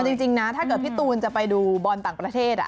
จริงนะถ้าเกิดพี่ตูนจะไปดูบอลต่างประเทศ